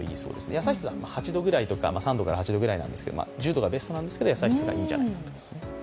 野菜室は３度から８度くらいですが、１０度がベストなんですが、野菜室がいいんじゃないかと。